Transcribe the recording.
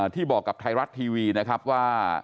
ที่บอกกับไทยรัฐทีวีนะครับว่า